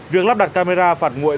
việc lắp đặt camera phạt nguội